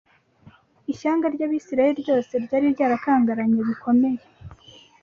Ishyanga ry’Abisirayeli ryose ryari ryarakangaranye bikomeye